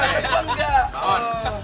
tapi gue enggak